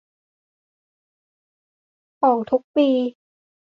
ของทุกปี